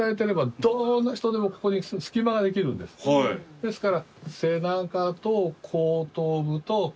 ですから。